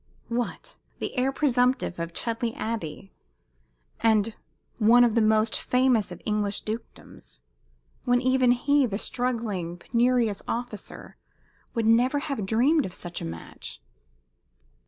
What! the heir presumptive of Chudleigh Abbey, and one of the most famous of English dukedoms, when even he, the struggling, penurious officer, would never have dreamed of such a match?